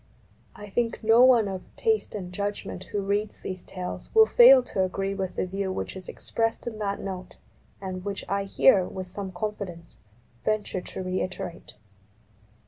I think no one of taste and judgment who reads these Tales will fail to agree with the view which is expressed in that Note and which I here, with some confidence, venture to reiterate.